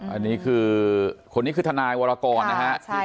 อันนี้คือคนนี้คือทนายวรกรนะฮะ